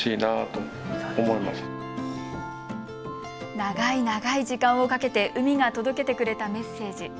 長い長い時間をかけて海が届けてくれたメッセージ。